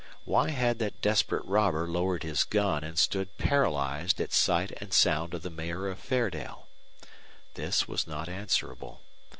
Why had that desperate robber lowered his gun and stood paralyzed at sight and sound of the Mayor of Fairdale? This was not answerable.